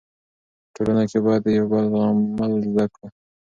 په ټولنه کې باید د یو بل زغمل زده کړو.